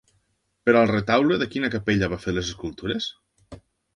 Per al retaule de quina capella va fer les escultures?